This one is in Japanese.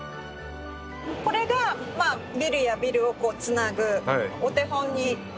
これがビルやビルをつなぐお手本になってると。